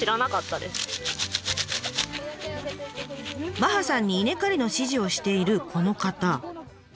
麻葉さんに稲刈りの指示をしているこの方。